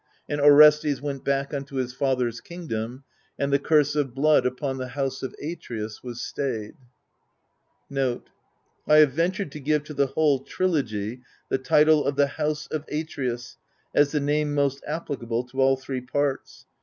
And Orestes went back unto his father's kingdom, and the ctu'se of blood upon the house of Atreus was stayed.^ It will be obvious, even from a compendium like ^ I have ventured to g^ve to .the whole Trilogy the title of The House of Atreus as the name most applicable to all three parts.